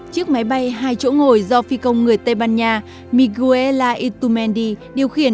chiếc máy bay hai chỗ ngồi do phi công người tây ban nha miguel aitumendi điều khiển